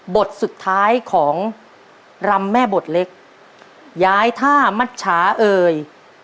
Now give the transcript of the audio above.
บทสุดท้ายของรำแม่บทเล็กย้ายท่ามัชชาเอ่ย